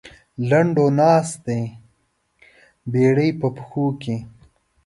لنډو ناست دی بېړۍ په پښو کې.